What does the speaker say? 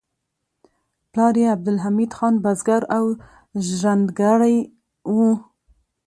پلار یې عبدالحمید خان بزګر او ژرندګړی و